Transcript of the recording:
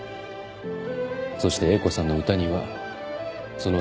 そして英子さんの歌にはその力がある。